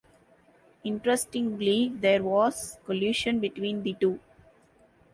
Interestingly, there was collusion between the two.